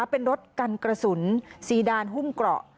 เป็นรถกันกระสุนซีดานหุ้มเกราะ